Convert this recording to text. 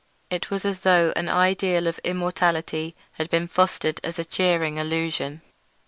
It was as though an ideal of earthly immortality had been fostered as a cheering illusion.